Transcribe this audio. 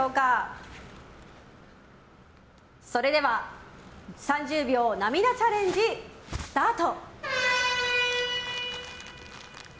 それでは、３０秒涙チャレンジスタート！